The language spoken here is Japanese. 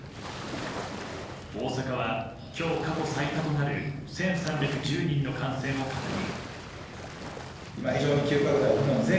大阪は今日、過去最多となる１３１０人の感染を確認。